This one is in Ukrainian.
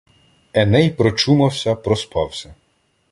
Еней прочумався, проспався